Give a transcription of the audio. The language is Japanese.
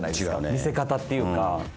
見せ方っていうか。